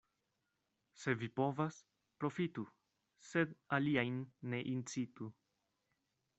Se vi povas, profitu, sed aliajn ne incitu.